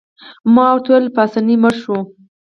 ما ورته وویل: پاسیني مړ شو.